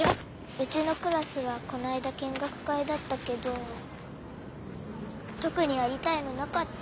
うちのクラスはこないだ見学会だったけどとくにやりたいのなかった。